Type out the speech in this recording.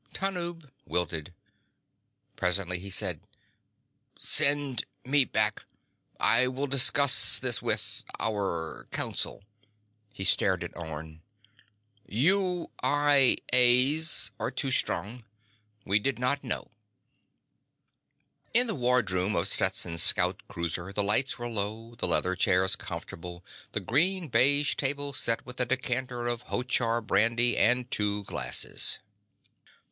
Tanub wilted. Presently, he said: "Send me back. I will discuss this with ... our council." He stared at Orne. "You I A's are too strong. We did not know." In the wardroom of Stetson's scout cruiser, the lights were low, the leather chairs comfortable, the green beige table set with a decanter of Hochar brandy and two glasses.